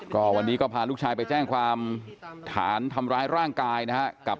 ก็วันนี้ก็พาลูกชายไปแจ้งความฐานทำร้ายร่างกายนะครับ